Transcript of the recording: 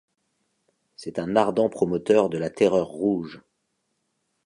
C'est un ardent promoteur de la Terreur rouge.